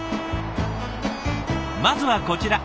まずはこちら。